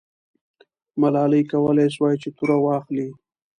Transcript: ملالۍ کولای سوای چې توره واخلي.